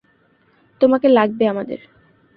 তোমাকে লাগবে আমাদের!